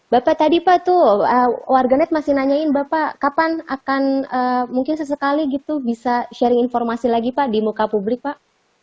bapak tadi pak tuh warganet masih nanyain bapak kapan akan mungkin sesekali gitu bisa sharing informasi lagi pak di muka publik pak